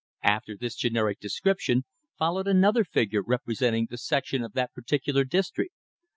After this generic description followed another figure representing the section of that particular district.